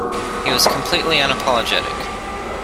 He was completely unapologetic.